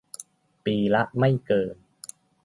ปีละไม่เกิน